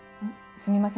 すみません。